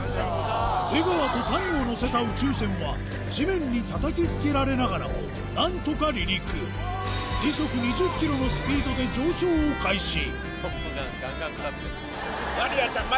出川と谷をのせた宇宙船は地面にたたきつけられながらもなんとか離陸時速２０キロのスピードで上昇を開始